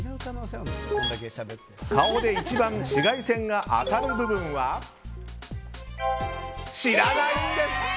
顔で一番紫外線が当たる部分は知らないんです。